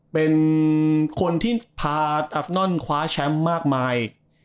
เป็นคนที่พาอัฟนอนคว้าแชมป์มากมาย